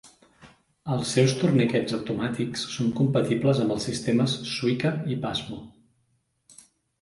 Els seus torniquets automàtics són compatibles amb els sistemes Suica i Pasmo.